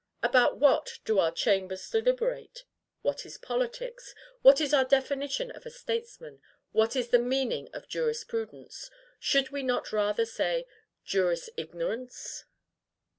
About what do our Chambers deliberate? What is POLITICS? What is our definition of a STATESMAN? What is the meaning of JURISPRUDENCE? Should we not rather say JURISIGNORANCE?